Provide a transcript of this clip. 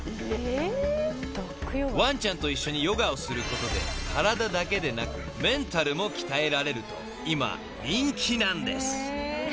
［ワンちゃんと一緒にヨガをすることで体だけでなくメンタルも鍛えられると今人気なんです］